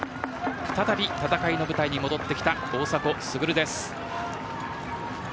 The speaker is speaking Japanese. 再び戦いの舞台に戻ってきた大迫傑です。